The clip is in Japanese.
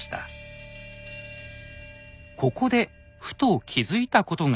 ここでふと気付いたことが。